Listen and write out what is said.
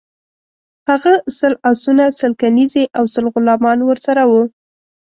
هغه سل آسونه، سل کنیزي او سل غلامان ورسره وه.